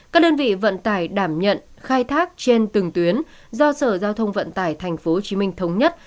các đơn vị vận tải đảm nhận khai thác trên từng tuyến do sở giao thông vận tải tp hcm thống nhất